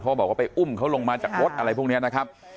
บอกว่าไปอุ้มเขาลงมาจากรถอะไรพวกนี้นะครับ